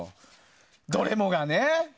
どれもがね。